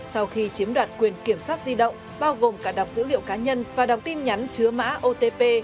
sau khi chiếm đoạt quyền kiểm soát di động bao gồm cả đọc dữ liệu cá nhân và đọc tin nhắn chứa mã otp